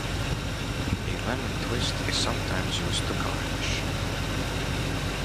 A lemon twist is sometimes used to garnish.